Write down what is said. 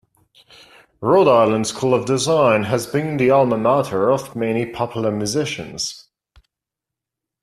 Rhode Island School of Design has been the alma mater of many popular musicians.